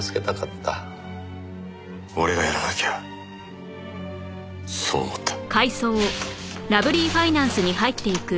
俺がやらなきゃそう思った。